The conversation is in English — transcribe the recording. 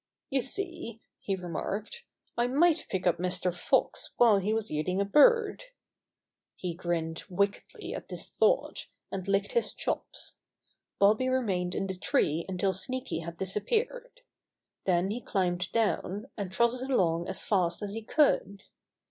"You see," he remarked, "I might pick up Mr. Fox while he was eating a bird." He grinned wickedly at this thought, and licked his chops. Bobby remained in the tree until Sneaky had disappeared. Then he climbed down, and trotted along as fast as he could.